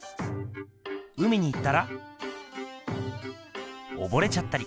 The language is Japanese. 海に行ったら溺れちゃったり。